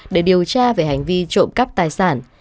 để điều tra về hành vi trộm cắp tài sản